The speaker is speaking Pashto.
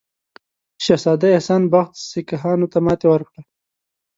شهزاده احسان بخت سیکهانو ته ماته ورکړه.